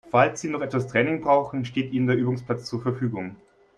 Falls Sie noch etwas Training brauchen, steht Ihnen der Übungsplatz zur Verfügung.